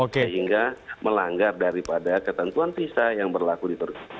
sehingga melanggar daripada ketentuan visa yang berlaku di turki